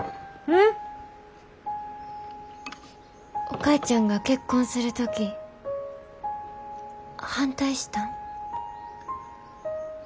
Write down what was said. お母ちゃんが結婚する時反対したん？